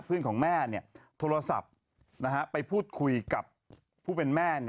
เพื่อนของแม่โทรศัพท์ไปพูดคุยกับผู้เป็นแม่